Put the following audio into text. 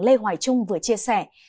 lê hoài trung vừa chia sẻ